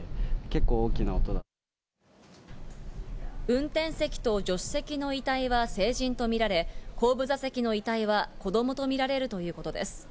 運転席と助手席の遺体は成人とみられ、後部座席の遺体は子供とみられるということです。